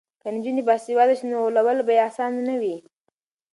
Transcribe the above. که نجونې باسواده شي نو غولول به یې اسانه نه وي.